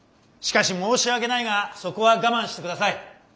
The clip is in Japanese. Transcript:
しかし申し訳ないがそこは我慢してください。